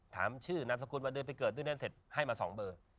ถามชื่อนามสกุลว่าเดินไปเกิดเรื่องนั้นเสร็จให้มา๒เบอร์